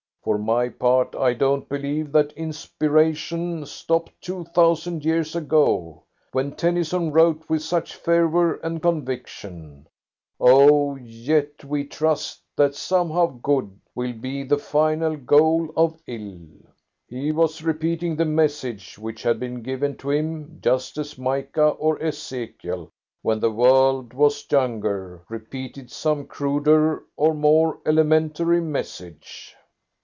For my part I don't believe that inspiration stopped two thousand years ago. When Tennyson wrote with such fervour and conviction": 'Oh, yet we trust that somehow good Will be the final goal of ill,' "He was repeating the message which had been given to him, just as Micah or Ezekiel, when the world was younger, repeated some cruder and more elementary message."